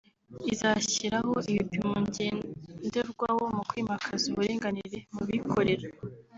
Izashyiraho ibipimo ngenderwaho mu kwimakaza uburinganire mu bikorera